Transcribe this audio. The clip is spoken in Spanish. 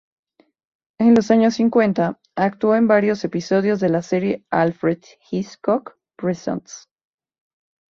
En los años cincuenta actuó en varios episodios de la serie "Alfred Hitchcock presents".